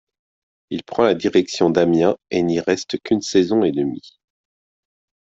Il prend la direction d'Amiens et il n'y reste qu'une saison et demi.